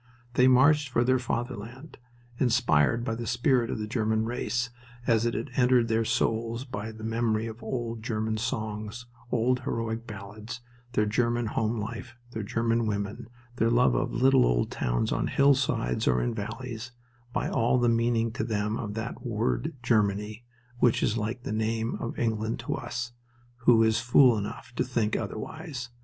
They marched for their Fatherland, inspired by the spirit of the German race, as it had entered their souls by the memory of old German songs, old heroic ballads, their German home life, their German women, their love of little old towns on hillsides or in valleys, by all the meaning to them of that word Germany, which is like the name of England to us who is fool enough to think otherwise?